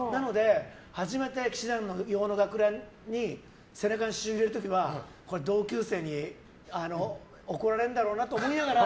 初めて氣志團用の学ランに背中に刺しゅう入れる時は同級生に怒られるんだろうなと思いながら。